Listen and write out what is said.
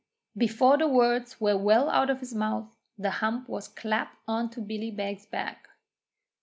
Before the words were well out of his mouth the hump was clapt on to Billy Beg's back.